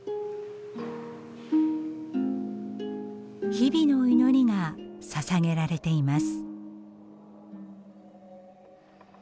日々の祈りがささげられています。